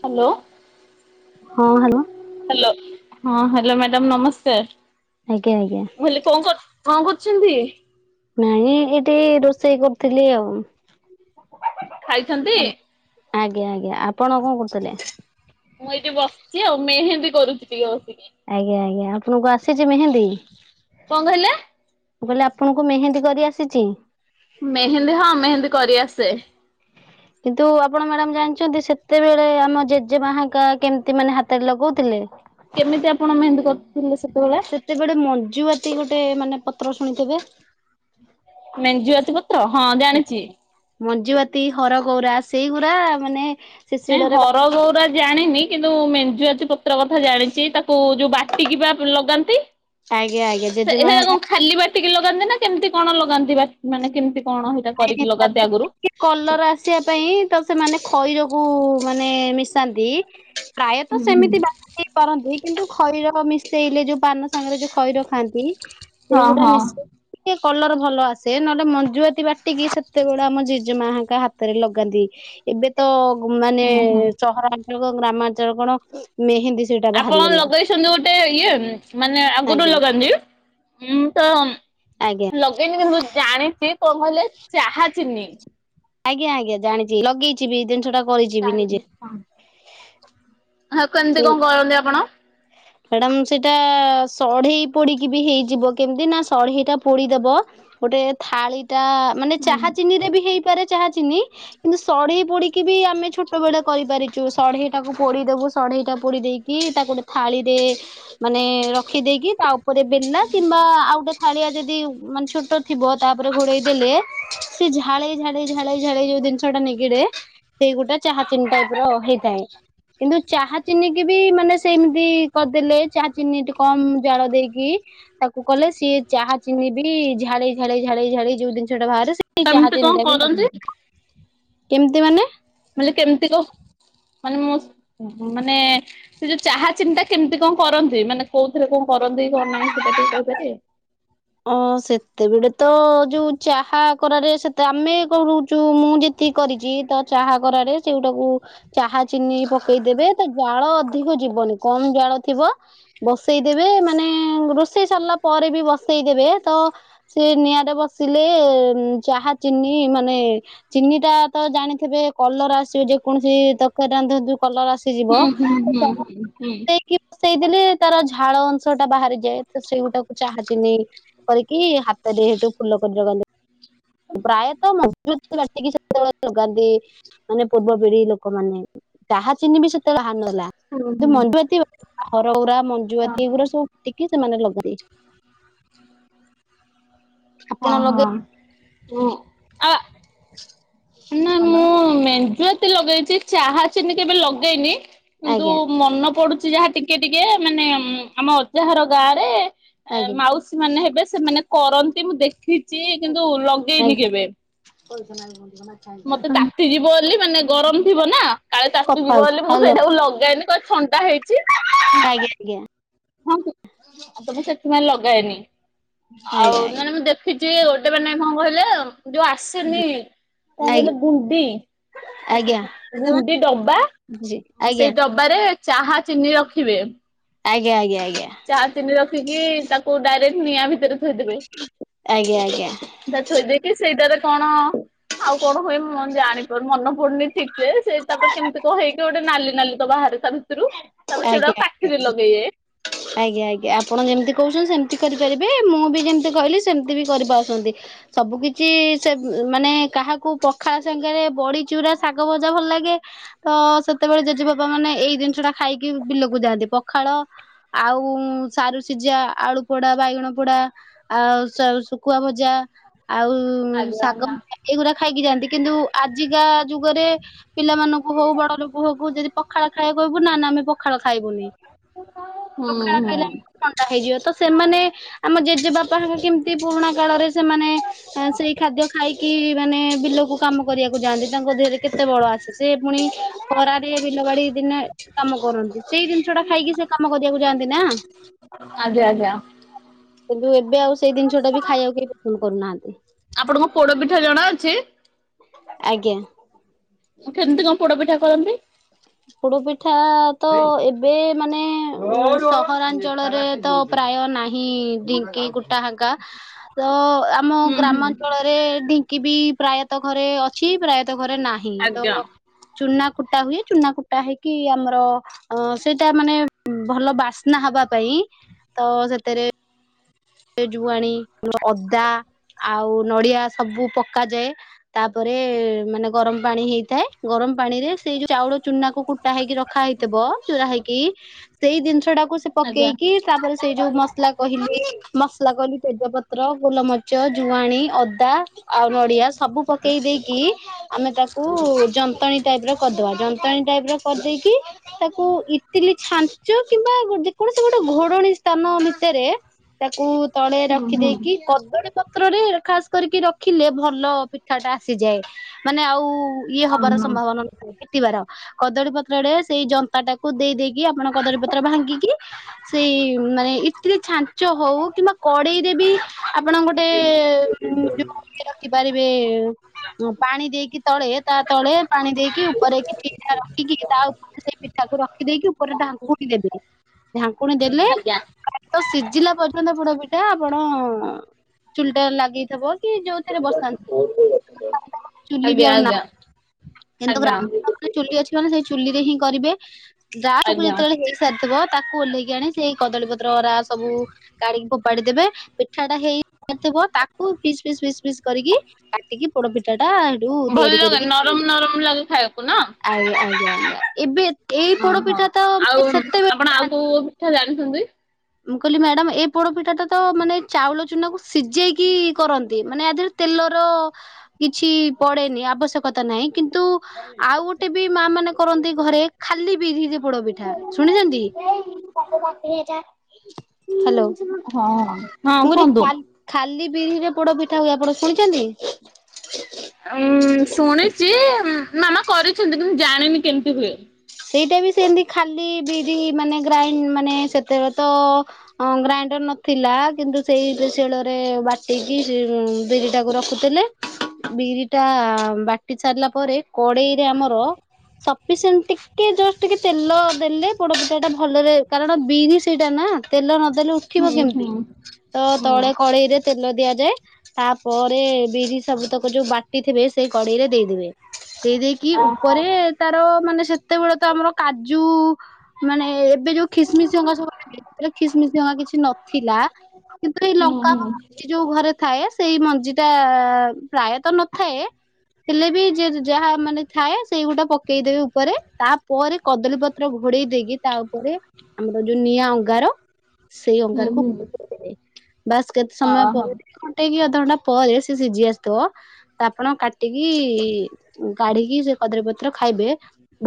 Hello. ହଁ hello. Hello. ହଁ hello madam ନମସ୍କାର। ଆଜ୍ଞା ଆଜ୍ଞା। ହେଲି କୋଉ କ, କଣ କରୁଚନ୍ତି? ନାଇଁ ଏଠି ରୋଷେଇ କରୁଥିଲି ଆଉ। ଖାଇଛନ୍ତି? ଆଜ୍ଞା ଆଜ୍ଞା। ଆପଣ କଣ କରୁଥିଲେ? ମୁଁ ଏଇଠି ବସ୍ ଚି ଆଉ, ମେହେନ୍ଦୀ କରୁଛି ଟିକେ ବସିକି। ଆଜ୍ଞା ଆଜ୍ଞା। ଆପଣଙ୍କୁ ଆସିଛି ମେହେନ୍ଦୀ? କଣ କହିଲେ? ମୁଁ କହିଲି ଆପଣଙ୍କୁ ମେହେନ୍ଦୀ କରି ଆସିଛି? ମେହେନ୍ଦୀ ହଁ, ହମେହେନ୍ଦୀ କରିଆସେ। କିନ୍ତୁ ଆପଣ ମ୍ୟାଡମ୍ ଜାଣିଛନ୍ତି, ସେତେବେଳେ ଆମ ଜେଜେମାହାଙ୍କା କେମିତି ମାନେ ହାତରେ ଲଗଉଥିଲେ? କେମିତି ଆପଣ ମେହେନ୍ଦୀ କରୁଥିଲେ ସେତେବେଳେ? ସେତେବେଳେ ମଞ୍ଜୁଆତି ଗୋଟେ ମାନେ ପତ୍ର ଶୁଣିଥିବେ? ମେଞ୍ଜି ୟାତି ପତ୍ର? ହଁ ଜାଣିଛି। ମଞ୍ଜି ଆତି, ହର ଗଉରା, ସେଇଗୁରା ମାନେ ସେ ନାଇଁ ଶିଳରେ ହର ଗଉରା ଜାଣିନି, କିନ୍ତୁ ମେଞ୍ଜୁ ୟାତି ପ୍ର ତ୍ର, କଥା ଜାଣିଛି। ତାକୁ ଯୋଉ ବାଟିକି ବା ଲଗାନ୍ତି? ଆଜ୍ଞା ଆଜ୍ଞା ସେ ଜେଜେମା ହେରା କ ଖାଲି ବାଟିକି ଲଗାନ୍ତି ନା କେମିତି କଣ ଲଗାନ୍ତି ବା ମାନେ କେମିତି କଣ ସେଇଟା କରିକି ଲଗାନ୍ତି ତାପରେ ଆଗରୁ? ଟିକେ କଲର ଆସିବା ପାଇଁ ତ ସେମାନେ ଖଇରକୁ ମାନେ ମିଶାନ୍ତି ହୁଁ ପ୍ରାୟତଃ ହୁଁ ସେମିତି ବାଟିକି କରନ୍ତି। କିନ୍ତୁ ଖଇର ମିଶେଇଲେ ଯୋଉ ପାନ ପାନ ସାଙ୍ଗରେ ଯୋଉ ଖଇର ଖାଆନ୍ତି ହଁ ସେଇଗୁଡା ହଁ ମିଶେଇ ଟିକେ କଲର ଭଲ ଆସେ ନହେଲେ ମଞଜୁଆତି ବା ଟିକି ସେତେବେଳେ ଆମ ଜେଜେମାଙ୍କ ହାତରେ ଲଗାନ୍ତି। ଏବେ ତ ମାନେ ହୁଁ ହୁଁ ସହରାଞ୍ଚଳ ଗ୍ରାମାଞ୍ଚଳ କଣ ମେହେନ୍ଦୀ ସେଇଟା ଆପଣ ବାହାରିଗଲା ଲଗେଇଛନ୍ତି ଗୋଟେ ଇଏ ମାନେ ଆଗରୁ ଆଜ୍ଞା। ଲଗାନ୍ତିଁ। ତ ଆଜ୍ଞା। ଲଗେଇନି କି ମୁୁ ଜାଣିଛି କଣ କହିଲେ ଚାହା ଚିନି। ଆଜ୍ଞା ଆଜ୍ଞା, ଜାଣିଛି ଲଗେଇଛି ବି ଜିନିଟା [unintelligible] ହଁ, କେମିତି କଣ କରନ୍ତି ଆପଣ? ମଡାମ ସେଇଟା ସଢେଇ ପୋଡିକି ବି ହେଇଯିବ, କେମିତି ନା ସଢେଇଟା ପୋଡିଦବ। ଗୋଟେ ଥାଳି ଟା, ମାନେ ଚାହା ଚିନି ରେ ବି ହେଇପାରେ। ଚାଚିନି କିନ୍ତୁ ସଢେଇ ପୋଡିକି ବି ଆମେ ଛୋଟ ବେଳେ କରିପାରିଛୁ ସଢେଇ ଟାକୁ ପୋଡିଦବୁ। ସଢେଇଟା ପୋଡି ଦେଇକି, ତାକୁ ଗୋଟେ ଥାଳି ମାନେ ରଖି ଦେଇକି, ତା ଉପରେ ବେଲା କିମ୍ବା ଆଉ ଗୋଟେ ଥାଳିଆ ଯଦି ମାନେ ଛୋଟ ଥିବ, ତାପରେ ଘୋଡେଇ ଦେଲେ, ସେ ଝାଳେଇ ଝାଳେଇ ଝାଳେଇ ଯେଉଁ ଜିନସ ଯେଉଟା ନିଗିଡେ ସେଇ ଗୋଟେ ଚାହା ଚନି ଟାଇପର ହେଇଥାଏ। କିନ୍ତୁ ଚାହା ଚିନି କି ବି ମାନେ ସେମିତି କରିଦେଲେ ଚା ଚିନି ଟ କମ ଜାଳ ଦେଇକି ତାକୁ କଲେ, ସିଏ ଚାହା ଚିନି ବି ଝାଳେଇ ଝାଳେଇ ଝାଳେଇ ଝାଳେଇ ଯୋଉ ଜିନିଷ ଟା ବାହାରେ କେମିତି କଣ ଏଇ କରନ୍ତି? [unintelligible] କେମିତି ମାନେ? ମାନେ କେମିତି କ ମାନେ ମୁଁ ମାନେ ସେ ଯୋଉ ଚାହା ଚିନି ଟା, କେମିତି କଣ କରନ୍ତି? ମାନେ କୋଉଥିରେ କଣ କରନ୍ତି କଣ ନାହିଁ ସେଇଟା ଟିକେ କହିପାରିବେ? ଓ ସେତେବେଳେ ତ ଯୋଉ ଚାହା କରାରେ ସେତେ ଆମେ କରୁ। ତୁ ମୁଁ ଯେତିକି କରିଛି ତ ଚାହା କରାରେ ସେଗୁଟାକୁ ଚାହା ଚିନି ପକେଇଦେବେ ତ, ଜାଳ ଅଧିକ ଯିବନି କମ ଜାଳ ଥିବ। ବସେଇଦେବେ, ମାନେ ରୋଷେଇ ସାରିଲା ପରେ ବି ବସେଇଦବେ ତ ସେ ନିଆଁରେ ବସିଲେ, ଚାହା ଚିନି ମାନେ ଚିନି ଟା ତ ଜାଣିଥିବେ କଲର ଆସିବ, ଯେ କୌଣସି ତରକାର ରାନ୍ଧନ୍ତୁ କଲର ଆସିଯିବ। ହୁଁ ହୁଁ ହୁଁ ହୁଁ ହୁଁ ଉଁ ସେଇଦି ତାର ଝାଳ ଅଂଶ ଟା ବାହାରିଯାଏ, ତ ସେଇଗୁଟାକୁ ଚାହାଚିନି। କରିକି ହାତରେ ସେଇଠୁ ଫୁଲ କରି [inaudible] ପ୍ରାୟତଃ ମଞ୍ଜୁଆତି ବାଟିକି ସେତେବେଳେ ଲଗାନ୍ତି। ମାନେ ପୂର୍ବ ପିଢି ଲୋକମାନୋନେ ଯହା ଚିହି ବି ସେତେବେଳେ ବାହାନ ହେଲା ହୁଁ ହୁଁ। କିୁ ମଞ୍ଜୁଆତି ଘରଗୁରା ମଞଜୁଆତି ହଁ ଏଗୁଡା ସବୁଟିକି ସେମାନେ ଲଗାଦ ହ ଆପଣ ହଁ ଲଗେଇ ହ ଆ ନା ମୁଁ ମଞ୍ଜୁଆତି ଲଗେଇଛି, ଚାହା ଚିନି କେବେ ଲଗେଇନି। କିନ୍ତୁ ଆଜ୍ଞା ମନେ ପଡୁଛି ଯାହା ଟିକେ ଟିକେ, ମାନେ ଆମ ଅଜାହାର ଗାଁ ରେ ଆଜ୍ଞା ମାଉସୀ ମାନେ ହେବେ ସେମାନେ କରନ୍ତି ମୁଁ ଦେଖିଛି କିନ୍ତୁ ଲଗେଇନି ଆଜ୍ଞା କେବେ। [unintelligible] ମତେ ତାତିଯିବ ବୋଲି, ମାନେ ଗରମ ଥିବ ନା, କାଳେ କଥା ତାତିଯିବ ହଉଛି ବୋଲି ମୁଁ ହ୍ୟାଲୋ ସେଇଟାକୁ ଲଗାଏନି। ତ ଛଣ୍ଡା ହେଇଛି। ଆଜ୍ଞା ଆଜ୍ଞା। ହଁଉ ତ ମୁଁ ସେଥିପାଇଁ ଲଗାଏନି, ଆଜ୍ଞା ଆଉ ନହଲେ ମୁଁ ଦେଖ କିଛି ଗୋଟେ ମାନ ହଣ କହିଲେ ଯୋଉ ଆସେନି। କଣ କହିଲ ଗୁଣ୍ଡି, ଆଜ୍ଞା ଆଜ୍ଞା ଆଜ୍ଞା। ଗୁଣ୍ଡି ଡବା, ଜି ଆଜ୍ଞା ସେଇ ଡବା ଚାହା ଚିନି ରଖିବେ। ଆଜ୍ଞା, ଆଜ୍ଞା, ଆଜ୍ଞା। ଚାହା ଚିନି ରଖିକି ତାକୁ ଡାଇରେକ୍ଟ ନିଆଁ ଭିତରେ ଥୋଇଦେବେ। ଆଜ୍ଞା ଆଜ୍ଞା ଥୋଇ ଦେଇକି, ସେଇଟାରେ କଣ? ଆଉ କଣ ହୁଏ ମୁଁ ଜାଣିପାରୁ ମନ ପଡୁନି ଠିକ ସେ, ସେ ତାପରେ କେମିତି କ କହିହେଇକି ଗୋଟେ ନାଲି ନାଲି ବାହାର ତା ଭିତରୁ, ତାପରେ ଆଜ୍ଞା। ସେଇଟା ପାଠିରେ ଲଗେଇବେ। ଆଜ୍ଞା ଆଜ୍ଞା, ଆପଣ ଯେମିତି କହୁଛନ୍ତି ସେମିତି କରିପାରିବେ, ମୁଁ ବି ଯେମିତି କହିଲି ସେମତି ବି କରିପାରୁଛନ୍ତି। ସବୁ କିଛି ସେ ମାନେ କାହାକୁ ପଖାଳ ସାଙ୍ଗରେ ବଡି ଚୁରା, ଶାଗ ଭଜା, ଭଲ ଲାଗେ। ତ ସେତେବେଳେ ଜେଜେବାପା ମାନେ ଏଇ ଜିନିଷ ଟା ଖାଇକି ବିଲକୁ ଯାଆନ୍ତି। ପଖାଳ ଆଉ ସାରୁ ସିଝା, ଆଳୁ ପୋଡା, ବାଇଗଣ ପୋଡା, ଆଉ ଶୁଖୁଆ ମଜା ଆଉ, ଆଜ୍ଞା ଶାଗ ଆଜ୍ଞା ଏଇଗୁଡା ଖାଇକି ଯାଆନ୍ତି। କିନ୍ତୁ ଆଜିକା ଯୁଗରେ, ପିଲାମାନଙ୍କୁ ହଉ ବଡ ଲୋକ ଯଦି ପଖାଳ ଖାଇଳିବା, କହିବୁ ନା ନା ଆମେ ପଖାଳ ଖାଇବୁନି। ହୁଁ ପଖାଳ ହୁଁ ଖାଇଲେ ଥଣ୍ଡା ହେଇଯିବ ତ ସେମାନେ ଆମ ଜେଜେବାପାଙ୍କ କେମିତି ପୁରୁଣା କାଳରେ ସେମାନେ ସେଇ ଖାଦ୍ୟ ଖାଇକି ମାନେ ବିଲକୁ କାମ କରିବାକୁ ଯାଆନ୍ତି ତାଙ୍କ ଦେହରେ କେତେ ବଳ ଆସେ। ସେ ପୁଣି ହରାାରି ବିଲବାଡ଼ି ଦିନ- କାମ କରନ୍ତି। ସେଇ ଜିନିଷ ଟା ଖାଇକି ସେ କାମ କରିବାକୁ ଯାଆନ୍ତି ନା। ଆଜ୍ଞା ଆଜ୍ଞା। କିନ୍ତୁ ଏବେ ଆଉ ସେଇ ଜିନିଷ ଟା ବି ଖାଇବାକୁ କେହି ପସନ୍ଦ କରୁନାହାନ୍ତି। ଆପଣଙ୍କୁ କୋଡ ପିଠା ଜଣା ଅଛି? ଆଜ୍ଞା। କେମିତି କଣ ପୋଡ ପିଠା କରନ୍ତି? ପୋଡ଼ ପିଠା ତ ଏବେ ମାନେ ମୋ ସହରାଞ୍ଚଳରେ ତ! ପ୍ରାୟ ନାହିଁ ଢିଙ୍କି ଗୋଟା ହାଗା ତ ଆମ ହୁଁ ହୁଁ ଗ୍ରାମାଞ୍ଚଳ ରେ ଢିଙ୍କି ବି ପ୍ରାୟତଃ ଘରେ ଅଛି ପ୍ରାୟତଃ ଘରେ ନାହିଁ ଆଜ୍ଞା ତ। ଚୁନା କୁଟା ହୁଏ। ଚୁନା କୁଟା ହେଇକି ଆମର ଅ ସେଇଟା ମାନେ ଭଲ ବାସ୍ନା ହବା ପାଇଁ ତ ସେଥିରେ- ଜୁଆଣି ଅଦା ଆଉ ନଡିଆ ସବୁ ପକାଯାଏ। ତାପରେ ମାନେ ଗରମ ପାଣି ହେଇଥାଏ। ଗରମ ପାଣି ରେ ସେଇ ଯୋଉ ଚାଉଳ ଚୁନା କ କୁଟା ହେଇକି ରଖୀ - ରଖା ହେଇଥିବ ଚୁରା ହେଇକି ସେଇ ଜିନିଷ ଟାକୁ ସେ ଆଜ୍ଞା। ପକେଇକି- କି ତାପରେ ସେଇ ଯୋଉ ମସଲା କହିଲି- ମସଲା କଲି ତେଜପତ୍ର ଗୋଲମଚ ଜୁଆଣି ଅଦା ଆଉ ନଡିଆ ସବୁ ପକେଇ ଦେଇକି- ଆମେ ତାକୁ ଯନ୍ତଣୀ ଟାଇପ ର କରିଦବା ଯନ୍ତଣୀ ଟାଇପ ର କରିଦେଇକି- ତାକୁ ଇତିଲିି ଛାଞ୍ଚ କିମ୍ବା ଯେ କୌଣସି ଗୋଟେ ଘୋରଣୀ ସ୍ଥାନ ଭିତରେ- ତାକୁ ତଳେ ହୁଁ ହୁଁ ରଖିଦେଇକି କଦଳୀ ପତ୍ରରେ ଖାସ କରିକି ରଖିଲେ ଭଲ ପିଠା ଟା ଆସିଯାଏ। ମାନେ ଆଉ ଇଏ ହବାର ଓହୋ ସମ୍ଭାବନା ନଥାଏ ଫିଟିବା ର କଦଳୀ ପତ୍ରରେ ସେଇ ଯ ତା ଟାକୁ ଦେଇେଇକି ଆପଣ କଦଳୀ ପତ୍ର ଭାଙ୍ଗିକି ସେଇ ମାନେ ଇତରେ ଛା- ଚାଞ୍ଚ ହଉ କିମ୍ବା କଡେଇରେ ବି ଆପଣ ଗୋଟେ ଯୋଉ- ଦେଖିପାରିବେ ପାଣି ଦେଇକି। ତଳେ ତା ତଳେ ପାଣି ଦେଇକି ଉପରେ କିଛିଟା ରଖିକି ତା ଉପରେ- ସେଇ ପିଠାକୁ ରଖିଦେଇକି ଉପରେ ଢାଙ୍କୁଣୀ ଦେବି ଢାଙ୍କୁନି ଦେଲେ। ଆଜ୍ଞା ଜିଲ୍ଲା ପର୍ଯ୍ୟନ୍ତ ପୋଡ଼ [unintelligible] କବି ଟା ଆପଣ ଚୁଲିଟା ଲାଗେଇଥିବ। ଯୋଉଥିରେ ବସାନ୍ତୁ ଚୁଲି ବି ଆଜ୍ଞା ଆଉ ନା ଆଜ୍ଞା। ଆଜ୍ଞା ଚୁଲି ଅଛି ମାନେ ସେଇ ଚୁଲି ରେ ହିଁ କରିବେ ଦା କୁ ଆଜ୍ଞା ଯେତେବେଳେ ହେଇ- ସାରିଥିବ ତାକୁ ଓହ୍ଲେଇକି ଆଣି ସେଇ କଦଳୀ ପତ୍ରରା ସବୁ କାଢିକି ଫୋପାଡିଦେବେ। ପିଠା ଟା ହେଇଥିବ ତାକୁ ଫିସ୍ ପିସ୍ ଫିସ୍ ପିସ୍ କରିକି କାଟିକି ପୋଡ ପିଠା ଟା- ଭଲ ତିଆରି ଲାଗେ ନରମ ନରମ ଲାଗେ ଖାଇବାକୁ ନା? ଆ୍ ଆଜ୍ଞା ଆଜ୍ଞା ଏବେ ଏଇ ଓହୋ ପୋଡପିଠା ତ ସେତେବେଲେ ଖାଆନ୍ତି। କେ ଜଣିଛନ୍ତିୁ [unintelligible] ମୁଁ କହିଲି ମ୍ୟାଡାମ ଏ ପୋଡପିଠା ଟା ତ ମାନେ ଚାଉଳ ଚୁନାକୁ ସିଯେଇକି କରନ୍ତି ମାନେ ଆ ଦେହରେ- ତେଲର କିଛି ପଡେନି ଆବଶ୍ୟକତା ନାହିଁ। କିନ୍ତୁ, ଆଉ ଗୋଟେ ବି ମା ମାନେ କରନ୍ତି ଘରେ ଖାଲି ବିରି ପୋଡ ପିଠା ଶୁଣିଛନ୍ତି। ବା ହ୍ୟାଲୋ ହେଇଯାଏ ହଁ ହଁ ମୁଁ କୁହନ୍ତୁ [inaudible] କହିଲି ଖାଲି ବିରିରେ ପୋଡ ପିଠା ହୁଏ ଆପଣ ଶୁଣିଛନ୍ତି? ଉଁ ଶୁଣିଛି ମାମା କରିଛନ୍ତି କିନ୍ତୁ ଜାଣିନି କେମିତି ହୁଏ। ସେଇଟା ବି ସେମିତି ଖାଲି ବିରି ମାନେ ଗ୍ରାଇଣ୍ଡ ମାନେ ସେତେବେଳେ ତ ହଁ ଗ୍ରାଇଣ୍ଡର ନଥିଲା କିନ୍ତୁ ସେଇଠି ଶିଳରେ ବାଟିକି [inaudible] ବିରି ତାକୁ ରଖୁଥିଲେ ବିରିଟା ବା କଟି ସାରିଲା ପରେ କଡେଇରେ ଆମର ସିପିସେଣ୍ଟ ଟିକ ଟେ ଜଷ୍ଟ ଟିକେ ତେଲ ଦେଲେ ପୋଡପିଠାଟା ଭଲରେ କାରଣ ବିରି ସେଇଟା ନା ତେଲ ନଦେଲେ ହୁଁ ଉଠିବ ହୁଁ କେମିତି ତ ହୁଁ ତଳେ କଡେଇରେ ତେଲ ଦିଆଯାଏ ତାପରେ ବିରି ସବୁତକ ଯୋଉ ବାଟିଥିବେ ସେଇ କଡେଇରେ ଦେଇଦେବେ ଦେଇ ଦେଇ କି ଓହୋ ଉପରେ ତାର ମାନେ ସେତେବେଳେ ତ ଆମର କାଜୁ ମାନେ ଏବେ ଯୋଉ ଖିସମିସିଙ୍ଗା ସବୁ [inaudible] ଖିସମିସିଙ୍ଗା କିଛି ନଥିଲା ହୁଁ ହୁଁ। ଏ ଯୋଉ ଘରେ ଥାଏ ସେଇ ମଞ୍ଜି ଟା ପ୍ରାୟତ ନଥାଏ ହେଲେ ବି ଯେ ଯାହା ମାନେ ଥାଏ ସେଇଗୋଟା ପକେଇଦେବେ ଉପରେ ତାପ ପରେ କଦଳୀ ପତ୍ର ଘୋଡେଇ ଦେଇକି ତା ଉପରେ ଆମର ଯୋଉ ନିଆଁ ଅଙ୍ଗାର ସେଇ ହୁଁ ଅଙ୍ଗାରକୁ ହୁଁ [unintelligible] ବାସ୍ କେତେ ସମୟ ଓହୋ ପରେ ଘଣ୍ଟେ କି ଅଧଘଣ୍ଟା ପରେ ସେ ସିଝି ଆସିଥିବ ତ ଆପଣ କାଟିକି କାଢିକି ସେ କଦଳୀ ପତ୍ର ଖାଇବେ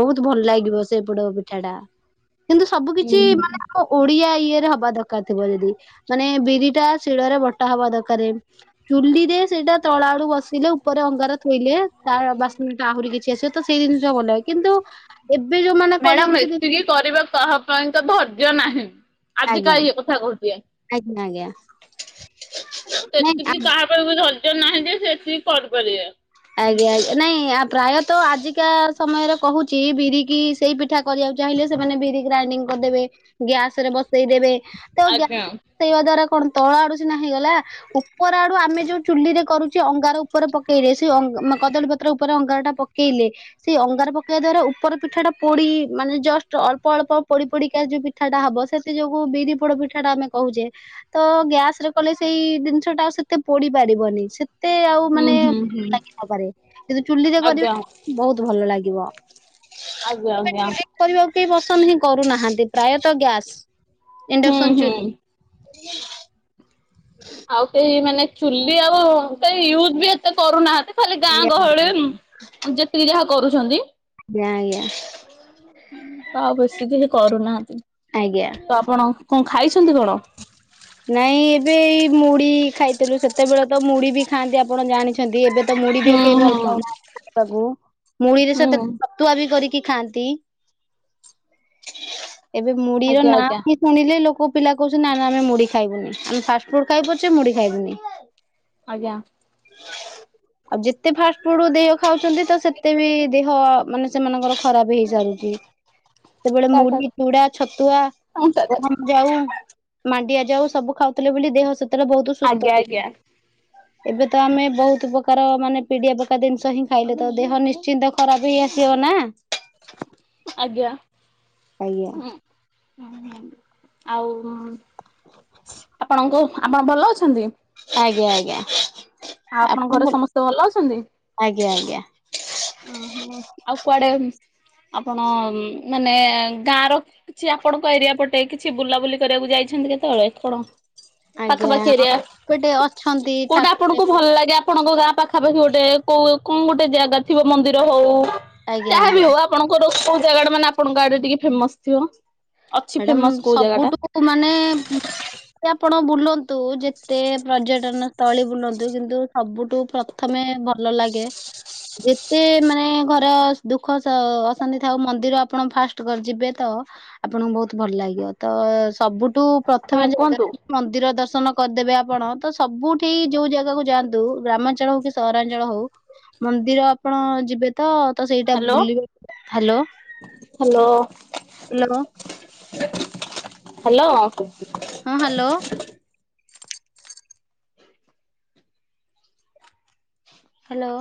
ବହୁତ ଭଲ ଲାଗିବ ସେ ପୋଡ ପିଠାଟା। କିନ୍ତୁ ସବୁ ହୁଁ କିଛି ହୁଁ। ମାନେ ଓ ଓଡିଆ ଇଏରେ ହବା ଦରକାର ଥିବ ଯଦି ମାନେ ବିରିଟା ଶିଳରେ ବଟା ହବା ଦକାରେ ଚୁ୍ଲିରେ ସେଇଟା ତଳା ସେଇଠୁ ବସିଲେ ଉପରେ ଅଙ୍ଗାର ଥୋଇଲେ ତାର ବାସ୍ନା ଟା ଆହୁରି କିଛି ଆସିବ ତ ସେଇ ଜିନିଷ ଭଲ ଲାଗେ। କିନ୍ତୁ ଏବେ ଯୋଉ ମାନେ ମ୍ୟାଡାମ ଏତିକି କରିବା କାହା ପାଇଁ ତ ଧୈର୍ଯ୍ୟ ନାହିଁ ଆଜିକା ଆଜ୍ଞା ଇଏ କଥା କହୁଛି। ଆଜ୍ଞା ଆଜ୍ଞା ନାଇଁ ଏତିକି କାହା [inaudible] ଧୈର୍ଯ୍ୟ ନାହିଁ ସେ ଏତିକି କରିପାରିବେ। ଆଜ୍ଞା ନାଇଁ ଆ ପ୍ରାୟତଃ ଆଜିକା ସମୟରେ କହୁଛି ବିରି କି ସେଇ ପିଠା କରିବାକୁ ଚାହିଁଲେ ସେମାନେ ବିରି ଗ୍ରାଇଡିଙ୍ଗ କରିଦେବେ ଗ୍ୟାସରେ ବସେଇ ଦେବେ ତ ଆଜ୍ଞା ଗ୍ୟାସରେ ବସେଇବା ଦ୍ଵାରା କଣ ତଳ ଆଡୁ ସିନା ହେଇଗଲା ଉପର ଆଡୁ ଆମେ ଯୋଉ ଚୁଲିରେ କରୁଛେ ଅଙ୍ଗାର ଉପରେ ପକେଇ [inaudible] ସେ ଅଙ୍ଗ ମ କଦଳୀପତ୍ର ଉପରେ ଅଙ୍ଗାରଟା ପକେଇଲେ ସେଇ ଅଙ୍ଗାର ପକେଇବା ଦ୍ଵାରା ଉପର ପିଠାଟା ପୋଡି ମାନେ ଜଷ୍ଟ ଅଳ୍ପ ଅଳ୍ପ ପୋଡି ପୋଡିକା ଯୋଉ ପି ପିଠା ଟା ହବ ସେଥି ଯୋଗୁ ବିରି ପୋଡ ପିଠାଟା ଆମେ କହୁଛେ ତ ଗ୍ୟାସରେ କଲେ ସେଇ ଦିନିଷଟା ଆଉ ସେତେ ପୋଡି ପାରିବନି ସେତେ ଆଉ ହୁଁ ମାନେ ହୁଁ ହୁଁ। ପାରେ କିନ୍ତୁ ଚୁଲିରେ ଆଜ୍ଞା କରିବ ବହୁତ ଭଲ ଲାଗିବ। ଆଜ୍ଞା ଆଜ୍ଞା। କରିବାକୁ କେହି ପସନ୍ଦ ହିଁ କରୁନାହାନ୍ତି ପ୍ରାୟତଃ ଗ୍ୟାସ ହୁଁ ଇଣ୍ଡକ୍ସନ ହୁଁ। ଚୁଲି ଆଉ କେହି ମାନେ ଚୁଲି ଆଉ କେହି ୟୁଜ ବି ଏତେ କରୁନାହାନ୍ତି। ଖାଲି ଗାଁ ଆଜ୍ଞା ଗହଳିରେ ଯେତିକି ଯାହା କରୁଛନ୍ତି ଆଜ୍ଞା ଆଜ୍ଞା। ତ ଆଉ ବେଶୀ କେହି କରୁନାହାନ୍ତି ଆଜ୍ଞା। ତ ଆପଣ କଣ ଖାଇଛନ୍ତି କଣ? ନାଇଁ ଏବେ ଏଇ ମୁଢି ଖାଇଥିଲୁ ସେତେବେଳେ ତ ମୁଢି ବି ଖାଆନ୍ତି ଆପଣ ଜାଣିଛନ୍ତି ଏବେ ତ ମୁଢି ବି ହୁଁ ଆଉ କେହି ହୁଁ ଭଲପାଉ ନାହାଁନ୍ତି ଖାଇବାକୁ ମୁଢିରେ ହୁଁ ସେତେ ତୁଆ ବି କରିକି ଖାଆନ୍ତି ଏବେ ମୁଢିର ଆଜ୍ଞା ନାଁ ଆଜ୍ଞା ଶୁଣିଲେ ଲୋକ ପିଲା କହୁଛନ୍ତି ନା ନା ଆମେ ମୁଢି ଖାଇବୁନି ଆମେ ଫାଷ୍ଟ ଫୁଡ ଖାଇବୁ ପଛେ ମୁଢି ଖାଇବୁନି। ଆଜ୍ଞା। ଆଉ ଯେତେ ଫାଷ୍ଟ ଫୁଡ ଅଧିକ ଖାଉଛନ୍ତି ତ ସେତେ ବି ଦେହ ମାନେ ସେମାନଙ୍କର ଖରାପ ହେଇସାରୁଛି ସେତେବେଳେ ମୁଢି, ଚୁଡା, ଛତୁଆ, ଗହମ। ଯାଉ, ମାଣ୍ଡିଆ ଯାଉ ସବୁ ଖାଉଥିଲେ ବୋଲି ଦେହ ସେତେବେଳେ ବହୁତୁ ଆଜ୍ଞା ଆଜ୍ଞା ସୁସ୍ଥ ଥିଲା। ଏବେ ତ ଆମେ ବହୁତ ପ୍ରକାର ମାନେ ପିଡିଆ ପକା ଜିନିଷ ହିଁ ଖାଇଲେ ତ ଦେହ ନିଶ୍ଚିନ୍ତ ଖରାପ ହେଇ ଆସିବ ନା। ଆଜ୍ଞା। ଆଜ୍ଞା। ହଁ ହଁ ଆଉ ଉଁ ଆପଣଙ୍କୁ ଆପଣ ଭଲ ଅଛନ୍ତି? ଆଜ୍ଞା ଆଜ୍ଞା। ଆଉ ଆପଣଙ୍କ ଆପଣ ଘରେ ସମସ୍ତେ ଭଲ ଅଛନ୍ତି? ଆଜ୍ଞା ଆଜ୍ଞା। ଓହୋ ଆଉ କୁଆଡେ ଆପଣ ଉଁ ମାନେ ଗାଁ ର? କିଛି ଆପଣଙ୍କ ଏରିଆ ପଟେ କିଛି ବୁଲାବୁଲି କରିବାକୁ ଯାଇଛନ୍ତି କେତେବେଳେ କଣ? ଆଜ୍ଞା। ପାଖାପାଖି ଏରିଆ ଏପଟେ ଅଛନ୍ତି କୋଉଟା ଠାକୁରାଣୀ ଆପଣଙ୍କୁ ଭଲ ମନ୍ଦିର। ଲାଗେ ଆ ଆପଣଙ୍କ ଗାଁ ପାଖାପାଖି ଗୋଟେ କୋଉ କଣ ଗୋଟେ ଜାଗା ଥିବ ମନ୍ଦିର ହଉ ଆଜ୍ଞା ଯାହା ବି ଆଜ୍ଞା ହଉ ଆ ଆପଣଙ୍କର କୋଉ ଜାଗା ଟା ମାନେ ଆପଣଙ୍କ ଆଡେ ଟିକେ ଫେମସ ଥିବ। ଅଛି ମ୍ୟାଡ଼ାମ ଫେମସ କୋଉ ଜାଗା ଟା ସବୁଠୁ ମାନେ। ଏ ଆପଣ ବୁଲନ୍ତୁ ଯେତେ ପର୍ଯ୍ୟଟନ ସ୍ଥଳୀ ବୁଲନ୍ତୁ କିନ୍ତୁ ସବୁଠୁ ପ୍ର ପ୍ରଥମେ ଭଲ ଲାଗେ। ଯେତେ ମାନେ ଘରେ ଦୁଃଖ ଶା ଅଶାନ୍ତି ଥାଉ ମନ୍ଦିର ଆପଣ ଫାଷ ଟ ଯିବେ ତ ଆପଣଙ୍କୁ ବହୁତ ଭଲ ଲାଗିବ ତ ସବୁଠୁ ହଁ ପ୍ରଥମେ ଜଗା କୁହନ୍ତୁ ମନ୍ଦିର ଦର୍ଶନ କରିଦେବେ ଆପଣ ତ ସବୁଠି ଯୋଉ ଜାଗାକୁ ଯାଆନ୍ତୁ ଗ୍ରାମାଞ୍ଚଳ ହଉ କି ସହରାଞ୍ଚଳ ହଉ। ମନ୍ଦିର ଆପଣ ଯିବେ। ତ ତ ସେଇଟା ହ୍ୟାଲୋ ବୁଲିବା ହାଲୋ ହାଲୋ କ ହାଲୋ। ହଁ ହାଲୋ। ହାଲୋ।